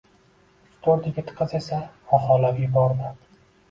Uch-to’rt yigit-qiz esa xoxolab yubordi.